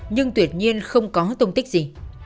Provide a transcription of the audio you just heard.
nhưng tuyệt nhiên không có tông tích gì